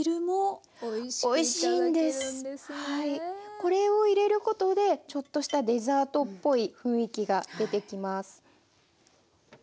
これを入れることでちょっとしたデザートっぽい雰囲気が出てきます。